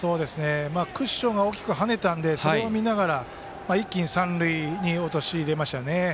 クッションが大きく跳ねたのでそれを見ながら一気に三塁に陥れましたね。